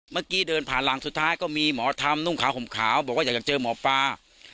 เดินผ่านหลังสุดท้ายก็มีหมอธรรมนุ่งขาวห่มขาวบอกว่าอยากเจอหมอปลา